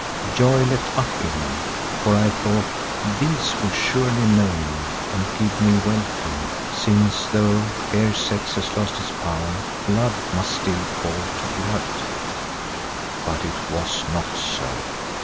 Joy leapt up in me, for I thought—these will surely know me and give me welcome, since, though here sex has lost its power, blood must still call to blood. But it was not so.